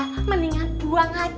ya mendingan buang aja